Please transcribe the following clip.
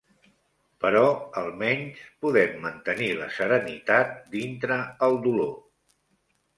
Però al menys, podem mantenir la serenitat dintre el dolor